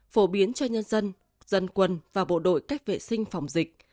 phổ biến cho nhân dân dân quân và bộ đội cách vệ sinh phòng dịch